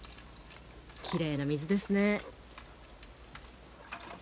きれいな水ですね。